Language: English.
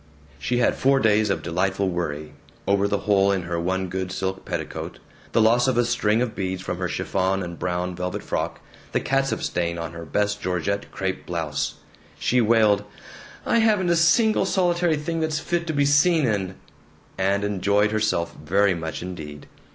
She had four days of delightful worry over the hole in her one good silk petticoat, the loss of a string of beads from her chiffon and brown velvet frock, the catsup stain on her best georgette crepe blouse. She wailed, "I haven't a single solitary thing that's fit to be seen in," and enjoyed herself very much indeed.